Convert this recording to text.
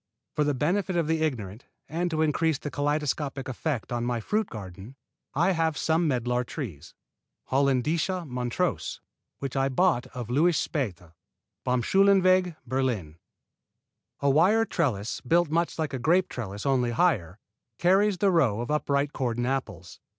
For the benefit of the ignorant and to increase the kaleidoscopic effect on my fruit garden, I have some medlar trees, Holländische Monströse, which I bought of Louis Späth, Baumschulenweg, Berlin. A wire trellis, built much like a grape trellis, only higher, carries the row of upright cordon apples.